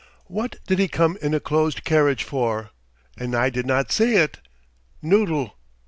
What did he come in a closed carriage for? And I did not see it! Noodle!"